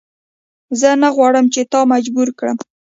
زه نه غواړم چې تا مجبور کړم.